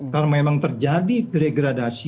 karena memang terjadi degradasi